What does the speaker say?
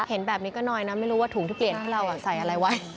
เห็นแบบนี้ก็น้อยนะไม่รู้ว่าถุงทุเรียนที่เราใส่อะไรไว้